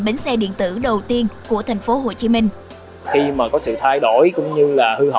bến xe điện tử đầu tiên của thành phố hồ chí minh